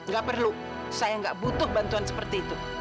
gak perlu saya nggak butuh bantuan seperti itu